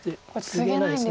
ツゲないです。